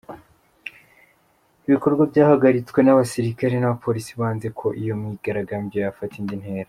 Ibi bikorwa byahagaritswe n’abasirikare n’abapolisi banze ko iyo myigaragambyo yafata indi ntera.